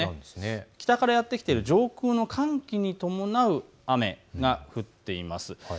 北からやって来ている上空の寒気に伴う雨が降っています。